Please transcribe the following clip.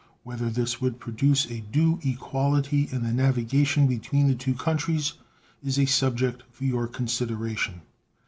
Whether this would produce a due equality in the navigation between the two countries is a subject for your consideration.